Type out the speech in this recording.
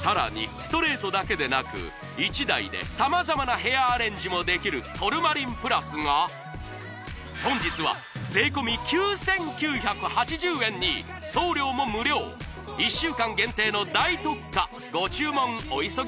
ストレートだけでなく１台で様々なヘアアレンジもできるトルマリンプラスが本日は税込９，９８０円に送料も無料１週間限定の大特価ご注文お急ぎ